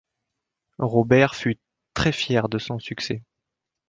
Robert fut très-fier de son succès.